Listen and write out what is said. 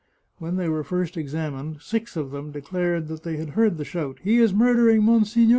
When they were first examined six of these declared they had heard the shout, * He is murdering mon signore